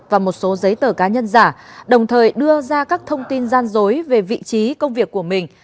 và một số giấy tờ cá nhân giả đồng thời đưa ra các thông tin gian dối về vị trí công việc của mình